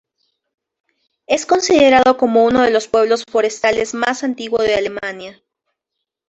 Es considerado como unos de los pueblos forestales más antiguo de Alemania.